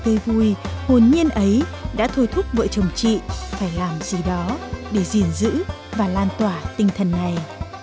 chính nụ cười tươi vui hồn nhiên ấy đã thôi thúc vợ chồng chị phải làm gì đó để gìn giữ và lan tỏa tinh thần này